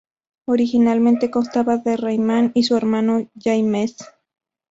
Originalmente constaba de Rayman y su hermano Jay Mez.